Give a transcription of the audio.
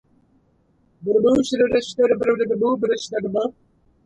Balarama's significance in the Indian culture has ancient roots.